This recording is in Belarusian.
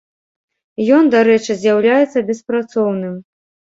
Ён, дарэчы, з'яўляецца беспрацоўным.